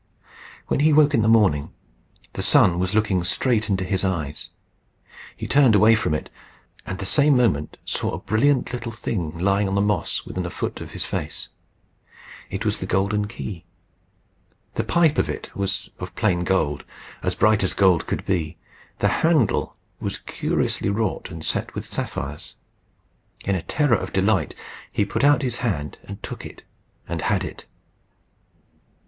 When he woke in the morning the sun was looking straight into his eyes. He turned away from it, and the same moment saw a brilliant little thing lying on the moss within a foot of his face. It was the golden key. The pipe of it was of plain gold, as bright as gold could be. The handle was curiously wrought and set with sapphires. In a terror of delight he put out his hand and took it, and had it.